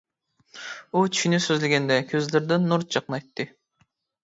ئۇ چۈشىنى سۆزلىگەندە كۆزلىرىدىن نۇر چاقنايتتى.